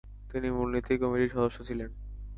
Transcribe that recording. তিনি মূলনীতি কমিটির সদস্য ছিলেন।